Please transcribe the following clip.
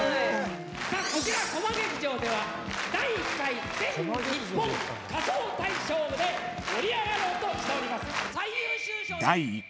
さあ、こちらコマ劇場では「第１回全日本仮装大賞」で盛り上がろうとしております。